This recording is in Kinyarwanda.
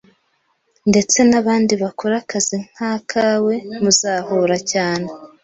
ndetse n’abandi bakora akazi nkakawe muzahura cyane